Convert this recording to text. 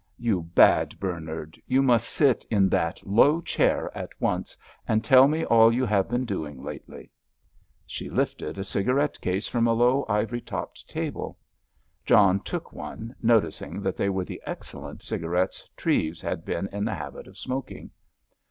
"You bad Bernard, you must sit in that low chair at once, and tell me all you have been doing lately!" She lifted a cigarette case from a low, ivory topped table. John took one, noticing that they were the excellent cigarettes Treves had been in the habit of smoking.